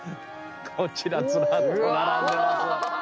こちらずらっと並んでますわ。